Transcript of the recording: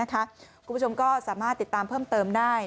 คุณผู้ชมก็สามารถติดตามเพิ่มเติมได้